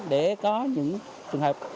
để có những trường hợp